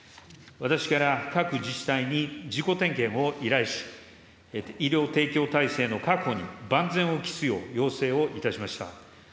私から各自治体に自己点検を依頼し、医療提供体制の確保に万全を期すよう要請をいたしました。